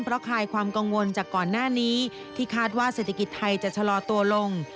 เพราะคลายความกังวลจากก่อนหน้านี้ที่คาดว่าเศรษฐกิจไทยจะชะลอตัวลง